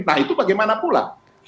nah itu bagaimana pula